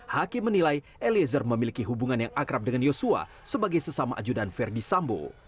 hakim menilai eliezer memiliki hubungan yang akrab dengan yosua sebagai sesama ajudan verdi sambo